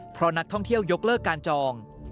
เพราะนักท่องเที่ยวยกเลิกการจอง